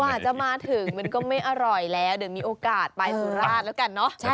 จะมาถึงมันก็ไม่อร่อยแล้วเดี๋ยวมีโอกาสไปสุราชแล้วกันเนอะ